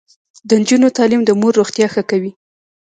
د نجونو تعلیم د مور روغتیا ښه کوي.